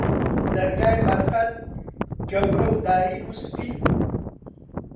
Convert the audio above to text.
دەرگای مەرقەد، گەورە و دارین و سپی بوو